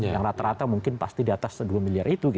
yang rata rata mungkin pasti di atas dua miliar itu